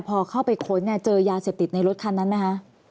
พอเข้าไปค้นเนี่ยเจอยาเสพติดในรถคันนั้นไหมคะ